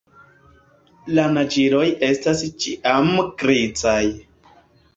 La naĝiloj estas ĉiam grizaj.